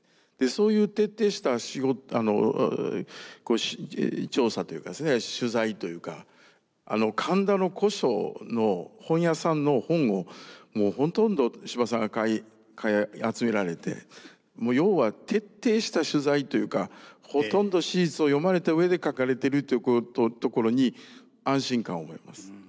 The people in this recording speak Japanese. そういう徹底した調査というかですね取材というか神田の古書の本屋さんの本をほとんど司馬さんが買い集められて要は徹底した取材というかほとんど史実を読まれた上で書かれてるというところに安心感を覚えます。